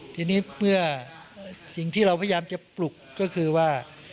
ทีนี้เมื่อสิ่งที่เราพยายามจะปลุกก็คือว่า